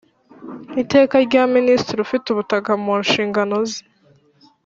Iteka rya Minisitiri ufite ubutaka mu nshingano ze